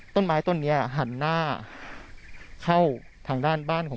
ต้นไม้ต้นนี้หันหน้าเข้าทางด้านบ้านของ